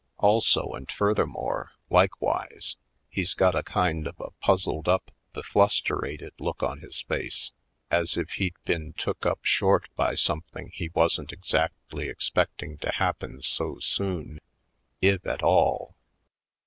Also and further more, likewise, he's got a kind of a puzzled up beflusterated look on his face as if he'd been took up short by something he wasn't exactly expecting to happen so soon, if at all.